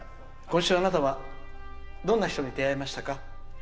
今週、あなたはどんな人と出会いましたか。